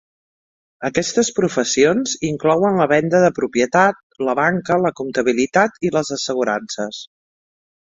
Aquestes professions inclouen la venda de propietat, la banca, la comptabilitat i les assegurances.